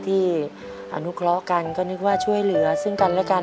ที่อนุเคราะห์กันก็นึกว่าช่วยเหลือซึ่งกันและกัน